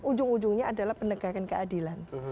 ujung ujungnya adalah penegakan keadilan